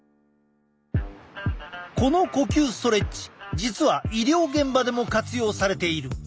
この呼吸ストレッチ実は医療現場でも活用されている。